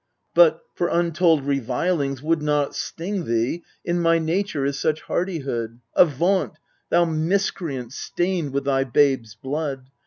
But for untold revilings would not sting Thee, in my nature is such hardihood Avaunt, thou miscreant stained with thy babes' blood